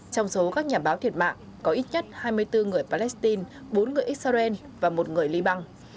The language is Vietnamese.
trong số các nhà báo thiệt mạng có ít nhất hai mươi bốn người palestine bốn người israel và một người liban